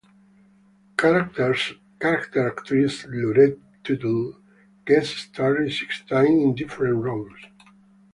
Character actress Lurene Tuttle guest starred six times in different roles.